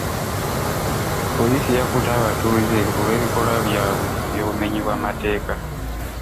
Poliisi yakutte abatuuze olw'ebikolwa byabwe eby'obumenyi bw'amateeka.